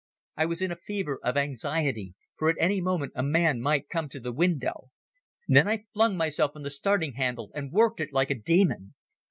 I was in a fever of anxiety, for any moment a man might come to the window. Then I flung myself on the starting handle and worked like a demon.